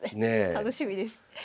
楽しみです。